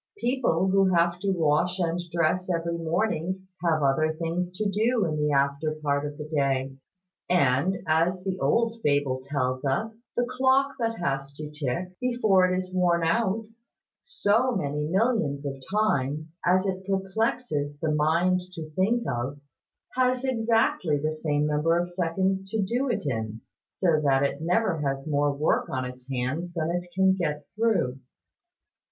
People who have to wash and dress every morning have other things to do in the after part of the day; and, as the old fable tells us, the clock that has to tick, before it is worn out, so many millions of times, as it perplexes the mind to think of, has exactly the same number of seconds to do it in; so that it never has more work on its hands than it can get through.